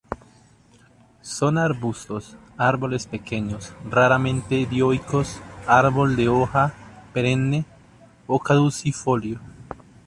Son arbustos, árboles pequeños, raramente dioicos, árbol de hoja perenne o caducifolio.